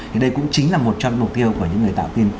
thì đây cũng chính là một trong những mục tiêu của những người tạo tin